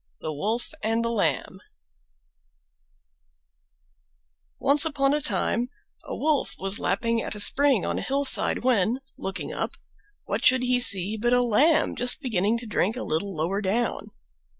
THE WOLF AND THE LAMB Once upon a time a Wolf was lapping at a spring on a hillside, when, looking up, what should he see but a Lamb just beginning to drink a little lower down.